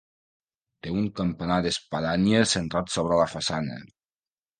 Té un campanar d'espadanya centrat sobre la façana.